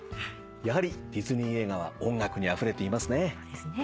やはりディズニー映画は音楽にあふれていますね。